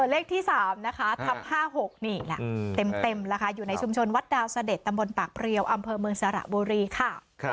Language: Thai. เลขที่๓นะคะทับ๕๖นี่แหละเต็มแล้วค่ะอยู่ในชุมชนวัดดาวเสด็จตำบลปากเพลียวอำเภอเมืองสระบุรีค่ะ